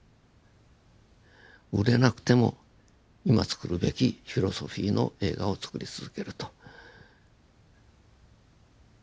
売れなくても今つくるべきフィロソフィーの映画をつくり続けると。